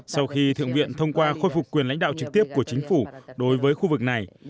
sau khi thượng viện thông qua khôi phục quyền lãnh đạo trực tiếp của chính phủ đối với khu vực này